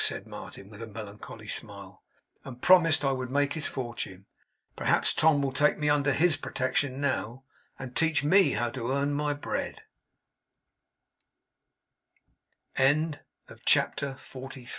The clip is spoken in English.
said Martin, with a melancholy smile; 'and promised I would make his fortune. Perhaps Tom will take me under HIS protection now, and teach me how to earn